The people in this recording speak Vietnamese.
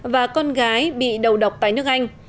và con gái bị đầu độc tại nước anh